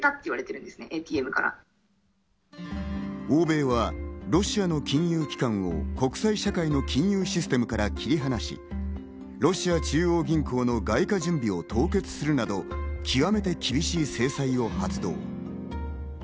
欧米はロシアの金融機関を国際社会の金融システムから切り離し、ロシア中央銀行の外貨準備を凍結するなど、極めて厳しい制裁を発動。